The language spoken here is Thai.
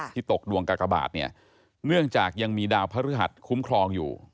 ตกดวงกากบาทเนี่ยเนื่องจากยังมีดาวพระฤหัสคุ้มครองอยู่